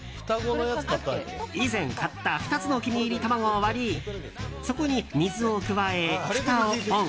以前買った２つの黄身入り卵を割りそこに水を加え、ふたをオン。